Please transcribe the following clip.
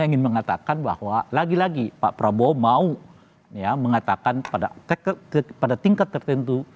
saya ingin mengatakan bahwa lagi lagi pak prabowo mau mengatakan pada tingkat tertentu